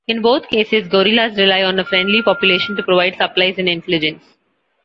In both cases, guerrillas rely on a friendly population to provide supplies and intelligence.